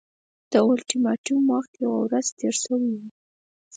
د اولټیماټوم وخت یوه ورځ تېر شوی وو.